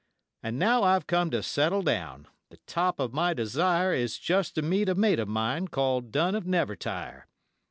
And now I've come to settle down, the top of my desire Is just to meet a mate o' mine called 'Dunn of Nevertire'.